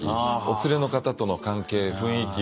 お連れの方との関係雰囲気。